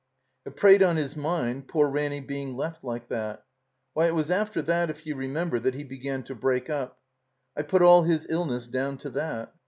It preyed on 'is mind, poor Ranny being left like that. Why, it was after that, if you remember, that he began to break up. I put all his illness down to that.